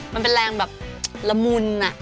มันเป็นแรงแบบละมุน